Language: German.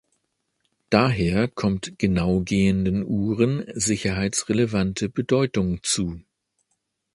Daher kommt genau gehenden Uhren sicherheitsrelevante Bedeutung zu.